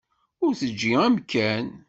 Ur teǧǧi amkan.